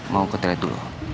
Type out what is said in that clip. mau ke telet dulu